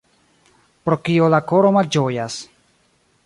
Pro kio la koro malĝojas?